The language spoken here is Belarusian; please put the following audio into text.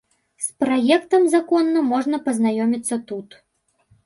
З праектам закона можна пазнаёміцца тут.